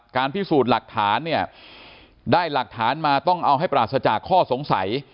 พิสูจน์หลักฐานเนี่ยได้หลักฐานมาต้องเอาให้ปราศจากข้อสงสัย